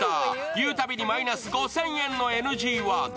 言うたびにマイナス５０００円のＮＧワード。